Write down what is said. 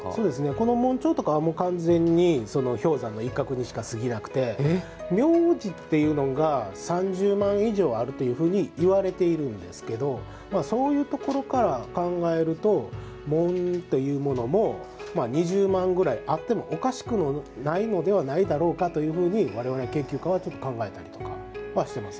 この紋帳とかはもう本当に氷山の一角にしかすぎなくて名字っていうのが３０万以上あるというふうにいわれているんですけれどもそういうところから考えると紋っていうものも２０万ぐらいあってもおかしくないのではないだろうかというふうに我々、研究家は考えています。